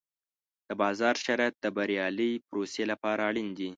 د بازار شرایط د بریالۍ پروسې لپاره اړین دي.